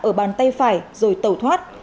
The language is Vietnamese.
ở bàn tay phải rồi tẩu thoát